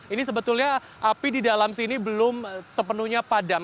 ini sebetulnya api di dalam sini belum sepenuhnya padam